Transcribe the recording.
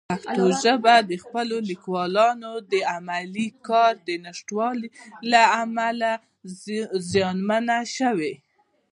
پښتو ژبه د خپلو لیکوالانو د علمي کار د نشتوالي له امله زیانمنه شوې.